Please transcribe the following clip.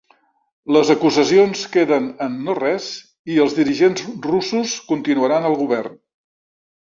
Les acusacions queden en no res i els dirigents russos continuaran al govern